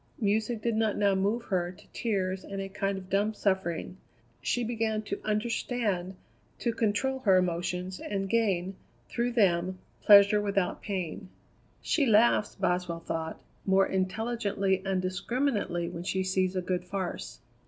Music did not now move her to tears and a kind of dumb suffering. She began to understand, to control her emotions, and gain, through them, pleasure without pain. "She laughs," Boswell thought, "more intelligently and discriminately when she sees a good farce."